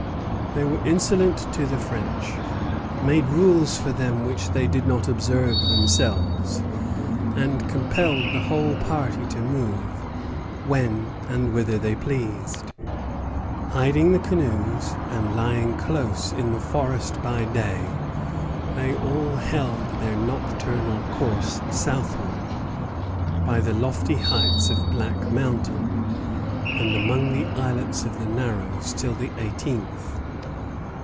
They were insolent to the French, made rules for them which they did not observe themselves, and compelled the whole party to move when and whither they pleased. Hiding the canoes, and lying close in the forest by day, they all held their nocturnal course southward, by the lofty heights of Black Mountain, and among the islets of the Narrows, till the eighteenth.